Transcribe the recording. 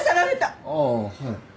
ああはい。